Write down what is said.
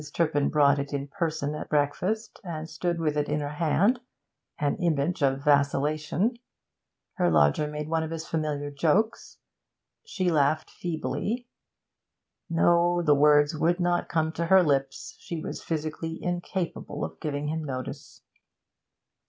Turpin brought it in person at breakfast, and stood with it in her hand, an image of vacillation. Her lodger made one of his familiar jokes; she laughed feebly. No; the words would not come to her lips; she was physically incapable of giving him notice.